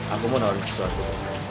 aku mau nawarin sesuatu